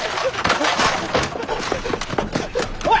おい！